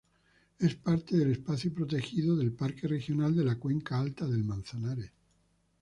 Es parte del espacio protegido del Parque Regional de la Cuenca Alta del Manzanares.